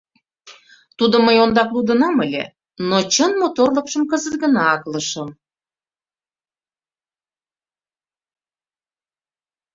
Тудым мый ондак лудынам ыле, но чын моторлыкшым кызыт гына аклышым.